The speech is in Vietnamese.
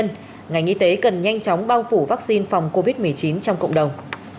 nên ngành y tế cần nhanh chóng bao phủ vaccine phòng covid một mươi chín trong cộng đồng